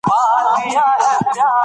مدرسې باید د لوستنې کلتور ته وده ورکړي.